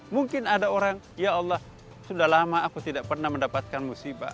mungkin ada orang ya allah sudah lama aku tidak pernah mendapatkan musibah